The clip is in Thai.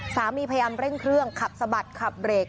พยายามเร่งเครื่องขับสะบัดขับเรก